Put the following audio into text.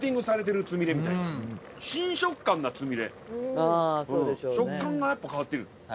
食感がやっぱ変わってる。